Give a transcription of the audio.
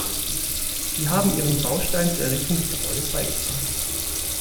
Sie haben Ihren Baustein zur Errichtung des Gebäudes beigetragen.